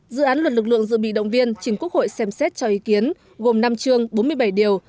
dự án luật lực lượng dự bị động viên chính quốc hội xem xét cho ý kiến gồm năm chương bốn mươi bảy điều